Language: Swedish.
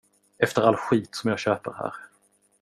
Efter all skit som jag köper här.